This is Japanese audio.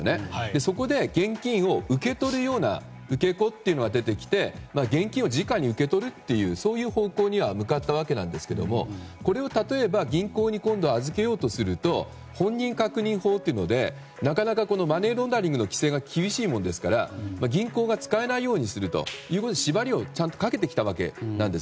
そこで、現金を受け取るような受け子というのが出てきて現金をじかに受け取るという方向には向かったわけなんですけれどもこれを例えば銀行に今度は預けようとすると本人確認法でなかなかマネーロンダリングの規制が厳しいもんですから銀行が使えないようにするという縛りをかけてきたわけなんです。